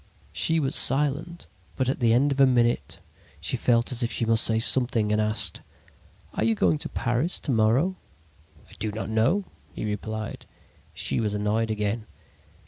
"She was silent, but at the end of a minute she felt as if she must say something and asked: "'Are you going to Paris to morrow?' "'I do not know,' he replied. "She was annoyed again.